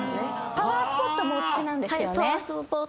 パワースポットもお好きなんですよね。